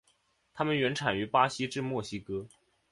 它们原产于巴西至墨西哥。